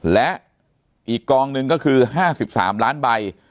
และอีกกองหนึ่งก็คือ๕๓ล้านใบ